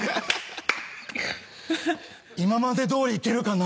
今までどおりいけるかな？